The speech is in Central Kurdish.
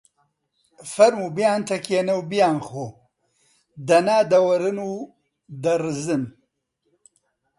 فەرموو بیانتەکێنە و بیانخۆ! دەنا دەوەرن و دەڕزن